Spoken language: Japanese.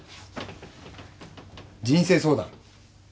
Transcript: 人生相談？